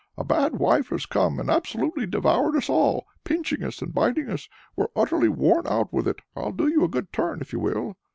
A bad wife has come, and absolutely devoured us all, pinching us, and biting us we're utterly worn out with it. I'll do you a good turn, if you will."